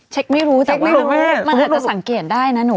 เช็คไม่รู้มันอาจจะสังเกตได้นะหนู